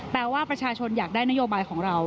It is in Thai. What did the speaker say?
แปลว่าประชาชนอยากได้นโยบายของเรา